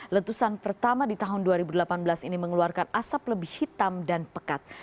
letusan pertama di tahun dua ribu delapan belas ini mengeluarkan asap lebih hitam dan pekat